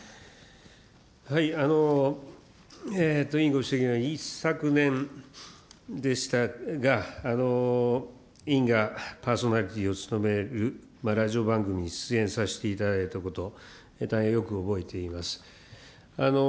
委員ご指摘のように、一昨年でしたが、委員がパーソナリティを務めるラジオ番組に出演させていただいたこと、大変よく覚えています。